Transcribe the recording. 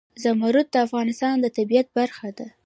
زمرد د افغانستان د طبیعت برخه ده.